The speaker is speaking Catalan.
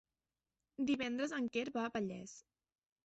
Divendres en Quer va a Vallés.